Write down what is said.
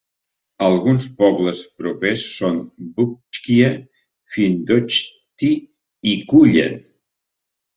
Alguns pobles propers són Buckie, Findochty i Cullen.